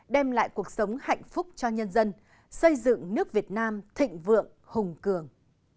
đem lại cuộc sống hạnh phúc cho nhân dân xây dựng nước việt nam thịnh vượng hùng cường